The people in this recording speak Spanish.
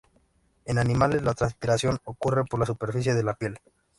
En animales la transpiración ocurre por la superficie de la piel.